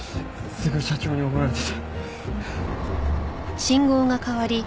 すごい社長に怒られてた。